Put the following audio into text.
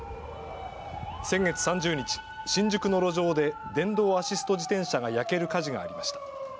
先月３０日、新宿の路上で電動アシスト自転車が焼ける火事がありました。